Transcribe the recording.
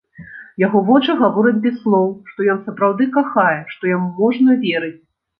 Яго вочы гавораць без слоў, што ён сапраўды кахае, што яму можна верыць.